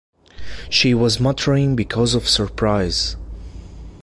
She was muttering because of surprise.